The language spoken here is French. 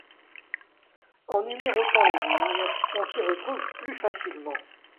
En numérotant les lignes, on s'y retrouve plus facilement.